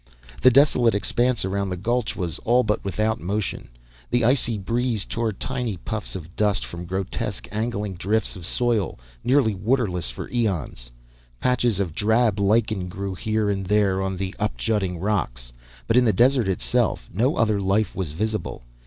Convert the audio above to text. The desolate expanse around the gulch, was all but without motion. The icy breeze tore tiny puffs of dust from grotesque, angling drifts of soil, nearly waterless for eons. Patches of drab lichen grew here and there on the up jutting rocks, but in the desert itself, no other life was visible.